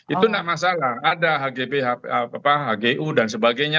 itu tidak masalah ada hgb hgu dan sebagainya